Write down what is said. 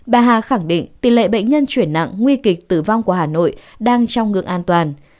bà hà khẳng định tỷ lệ bệnh nhân chuyển nặng nguy kịch tử vong của hà nội đang trong ngưỡng an toàn